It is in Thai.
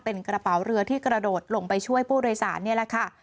เป็นกระเป๋าเรือที่กระโดดลงไปช่วยผู้โดยสารนี่แหละค่ะ